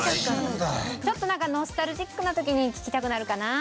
ちょっとなんかノスタルジックな時に聴きたくなるかな。